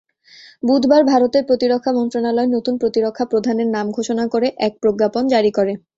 বুধবার ভারতের প্রতিরক্ষা মন্ত্রণালয় নতুন প্রতিরক্ষাপ্রধানের নাম ঘোষণা করে এক প্রজ্ঞাপন জারি করে।